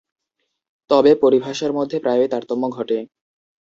তবে পরিভাষার মধ্যে প্রায়ই তারতম্য ঘটে।